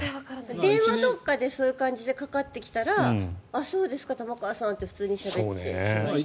電話とかでそういう感じでかかってきたらそうですか、玉川さんって普通にしゃべってしまいそう。